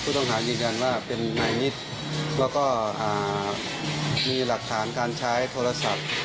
ต้องหายืนยันว่าเป็นนายนิดแล้วก็มีหลักฐานการใช้โทรศัพท์